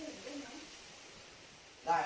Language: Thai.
มีมีมั้ยครับ